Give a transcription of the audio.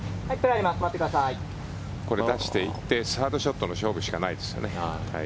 出していってサードショットの勝負しかないですね。